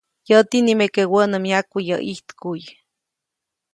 Yäti nimeke wä nä myaku yäʼ ʼijtkuʼy.